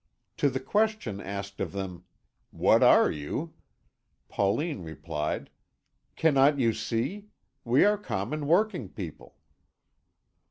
To the question asked of them, "What are you?" Pauline replied, "Cannot you see? We are common working people."